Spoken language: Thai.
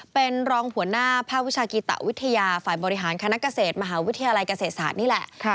เป็นรองหัวหน้าภาควิชากีตะวิทยาฝ่ายบริหารคณะเกษตรมหาวิทยาลัยเกษตรศาสตร์นี่แหละ